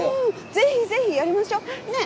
ぜひぜひやりましょう！ねぇ！